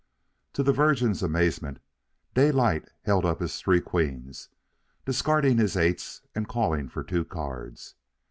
To the Virgin's amazement, Daylight held up his three queens, discarding his eights and calling for two cards.